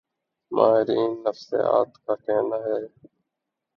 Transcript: ماہرین نفسیات کا کہنا ہے